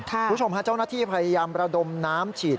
คุณผู้ชมฮะเจ้าหน้าที่พยายามระดมน้ำฉีด